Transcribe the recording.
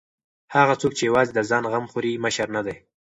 هغه څوک چې یوازې د ځان غم خوري مشر نه دی.